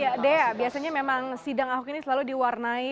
ya dea biasanya memang sidang ahok ini selalu diwarnai